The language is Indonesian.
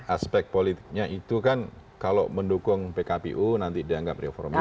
aspek politiknya itu kan kalau mendukung pkpu nanti dianggap reformasi